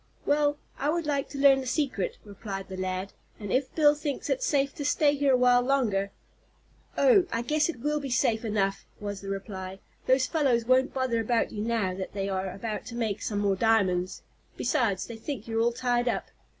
"Well, I would like to learn the secret," replied the lad, "and if Bill thinks it's safe to stay here a while longer " "Oh, I guess it will be safe enough," was the reply. "Those fellows won't bother about you now that they are about to make some more diamonds. Besides, they think you're all tied up.